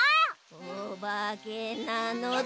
おばけなのだ！